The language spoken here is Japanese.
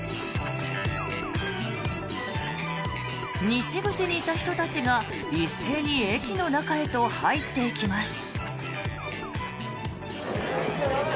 西口にいた人たちが一斉に駅の中へと入っていきます。